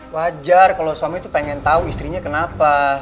wajar kalau suami tuh pengen tau istrinya kenapa